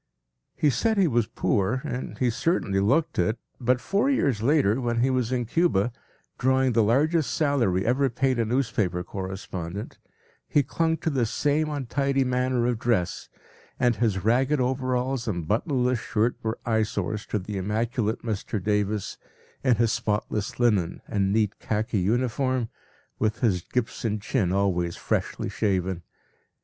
” He said he was poor, and he certainly looked it, but four years later when he was in Cuba, drawing the largest salary ever paid a newspaper correspondent, he clung to this same untidy manner of dress, and his ragged overalls and buttonless shirt were eyesores to the immaculate Mr. Davis, in his spotless linen and neat khaki uniform, with his Gibson chin always freshly shaven.